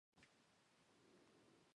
دا باید په اسانۍ د ویونکي د پوهېدو وړ وي.